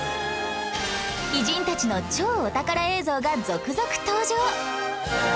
偉人たちの超お宝映像が続々登場！